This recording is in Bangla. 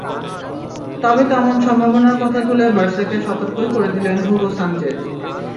তবে তেমন সম্ভাবনার কথা তুলে বার্সাকে সতর্কই করে দিলেন হুগো সানচেজ।